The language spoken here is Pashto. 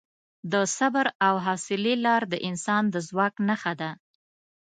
د صبر او حوصلې لار د انسان د ځواک نښه ده.